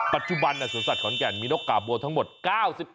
ปัจจุบันสวนสัตว์ขอนแก่นมีนกกาบบัวทั้งหมด๙๑